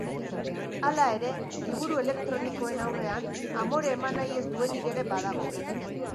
Hala ere, liburu elektronikoen aurrean amore eman nahi ez duenik ere badago.